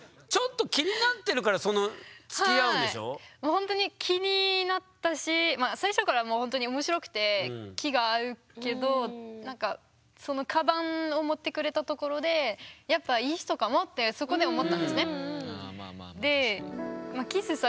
ほんとに気になったし最初からほんとに面白くて気が合うけどカバンを持ってくれたところでやっぱいい人かも？ってそこで思ったんですね。